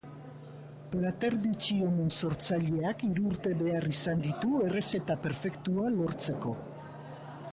Plater bitxi honen sortzaileak hiru urte behar izan ditu errezeta perfektua lortzeko.